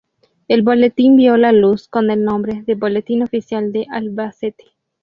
El boletín vio la luz con el nombre de Boletín Oficial de Albacete.